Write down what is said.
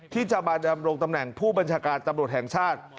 ที่จะมาดำรงตำแหน่งผู้บัญชาการตำรวจแห่งชาติ